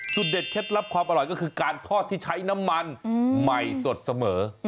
เด็ดเคล็ดลับความอร่อยก็คือการทอดที่ใช้น้ำมันใหม่สดเสมอ